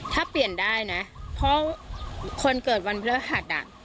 ถ้าเปลี่ยนได้นะเพราะคนเกิดวันพฤหัส